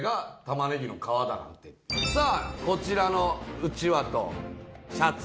さあこちらのうちわとシャツ。